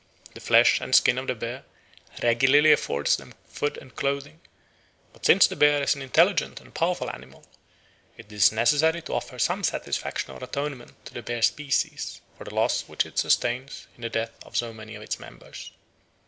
The flesh and skin of the bear regularly afford them food and clothing; but since the bear is an intelligent and powerful animal, it is necessary to offer some satisfaction or atonement to the bear species for the loss which it sustains in the death of so many of its members.